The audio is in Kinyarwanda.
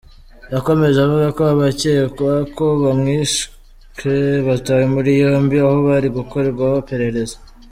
Yakomeje avuga ko abacyekwa ko bamwishwe batawe muri yombi aho bari gukorwaho iperereza.